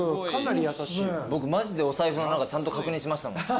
僕マジでお財布の中ちゃんと確認しましたもん。